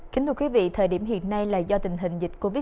kính thưa quý vị thời điểm hiện nay là do tình hình dịch covid